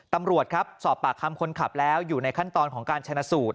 ตำรวจครับสอบปากคำคนขับแล้วอยู่ในขั้นตอนของการชนะสูตร